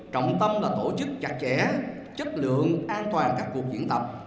trọng tâm là tổ chức chặt chẽ chất lượng an toàn các cuộc diễn tập